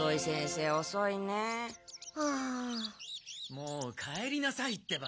もう帰りなさいってば。